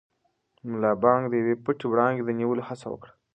ملا بانګ د یوې پټې وړانګې د نیولو هڅه وکړه.